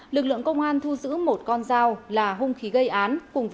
lực lượng công an thu giữ một con dao là hung khí gây án